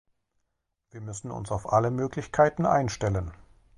Wir müssen uns auf alle Möglichkeiten einstellen.